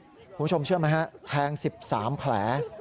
คุณผู้ชมเชื่อไหมฮะแทง๑๓แผล